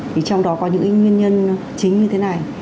thì trong đó có những nguyên nhân chính như thế này